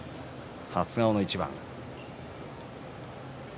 初顔の一番です。